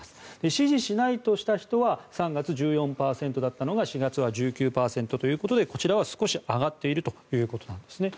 支持しないとした人は３月、１４％だったのが４月は１９％ということでこちらは少し上がっているということなんですね。